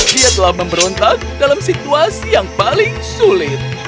dia telah memberontak dalam situasi yang paling sulit